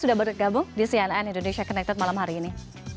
sudah bergabung di cnn indonesia connected malam hari ini